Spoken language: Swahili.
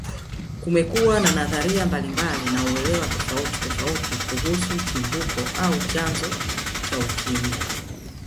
Kumekuwa na nadharia mbalimbali na uelewa tofauti tofauti kuhusu Chimbuko au chanzo cha Ukimwi